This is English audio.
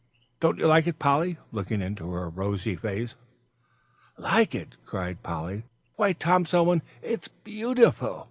"Don't you like it, Polly?" looking into her rosy face. "Like it!" cried Polly, "why, Tom Selwyn, it's beautiful.